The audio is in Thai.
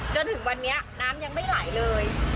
จนถึงวันนี้น้ำยังไม่ไหลเลย